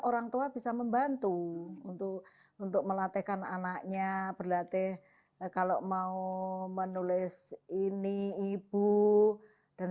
orang tua bisa membantu untuk untuk melatihkan anaknya berlatih kalau mau menulis ini ibu dan